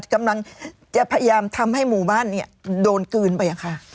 กำลังจะพยายามทำให้หมู่บ้านเนี่ยโดนกลืนไปอะค่ะ